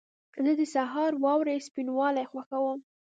زه د سهار واورې سپینوالی خوښوم.